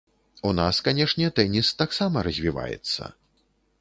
У нас, канешне, тэніс таксама развіваецца.